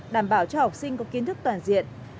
đảm bảo cho học sinh có kiến thức toàn diện